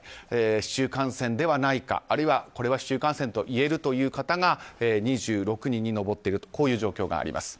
市中感染ではないかあるいは、これは市中感染といえるという方が２６人に上っているという状況があります。